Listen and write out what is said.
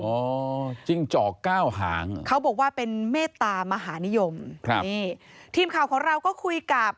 จิ้งจอกเก้าหางเขาบอกว่าเป็นเมตตามหานิยมครับนี่ทีมข่าวของเราก็คุยกับ